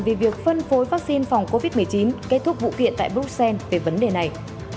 về việc phân phối vaccine phòng covid một mươi chín kết thúc vụ kiện tại bruxelles về vấn đề này